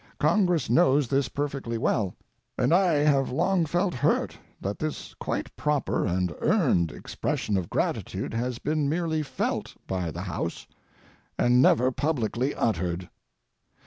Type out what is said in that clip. Congress knows this perfectly well, and I have long felt hurt that this quite proper and earned expression of gratitude has been merely felt by the House and never publicly uttered.